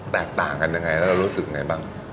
แตกต่างกันยังไงแล้วเรารู้สึกไงบ้าง